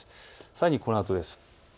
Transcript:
さらにこのあとです。